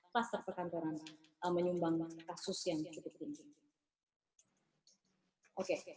klas perpantoran menyumbang kasus yang cukup gede